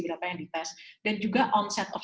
berapa yang dites dan juga omset of